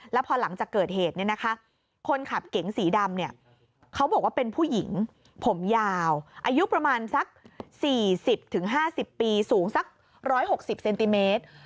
แล้วพอหลังจากเกิดเหตุคนขับเก๋งสีดำเขาบอกว่าเป็นผู้หญิงผมยาวอายุประมาณสัก๔๐๕๐ปีสูงสัก๑๖๐เซนติเมตร